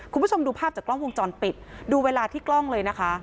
คุณผู้ชมดูภาพจากกล้องวงจรปิดดูเวลาที่กล้องเลยนะคะ